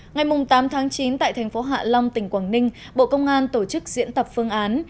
ngày tám tháng chín tại thành phố hạ long tỉnh quảng ninh bộ công an tổ chức diễn tập phương án